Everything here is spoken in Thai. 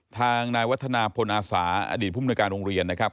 ทางนายวัฒนาพลอาสาอดีตผู้มนุยการโรงเรียนนะครับ